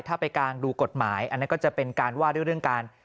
ถ้าไปกางดูกฎหมายอันนั้นก็จะเป็นการว่าด้วยเรื่องการ